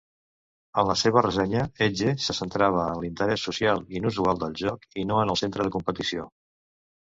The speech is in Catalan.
En la seva ressenya, "Edge" se centrava en l'interès social inusual del joc, i no en el centre de competició.